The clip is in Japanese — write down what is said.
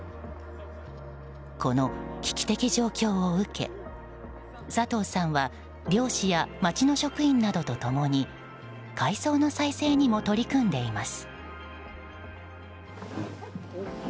この危機的状況を受け佐藤さんは漁師や町の職員などと共に海藻の再生にも取り組んでいます。